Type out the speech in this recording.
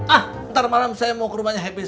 ah ntar malem saya mau ke rumahnya happy salma